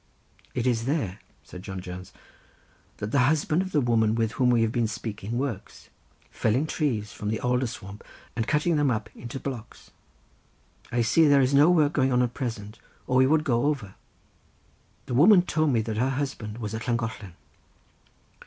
"It is there," said John Jones, "that the husband of the woman with whom we have been speaking works, felling trees from the alder swamp and cutting them up into blocks. I see there is no work going on at present or we would go over—the woman told me that her husband was at Llangollen."